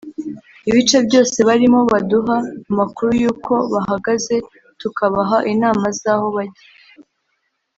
ibice byose barimo baduha amakuru yuko bahagaze tukabaha inama z’aho bajya